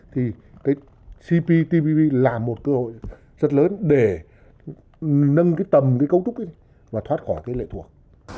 thì cptpp là một cơ hội rất lớn để nâng tầm cấu trúc và thoát khỏi lệ thuộc